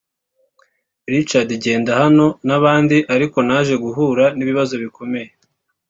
Richard Ngendahano n’abandi ariko naje guhura n’ibibazo bikomeye